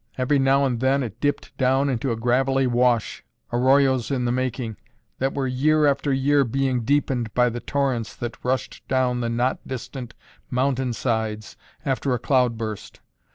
Every now and then it dipped down into a gravelly wash, arroyos in the making, that were, year after year, being deepened by the torrents that rushed down the not distant mountain sides after a cloudburst.